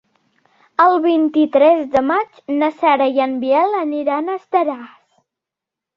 El vint-i-tres de maig na Sara i en Biel aniran a Estaràs.